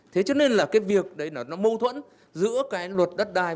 thế cho nên là cái việc đấy là nó mâu thuẫn giữa cái luật đất đai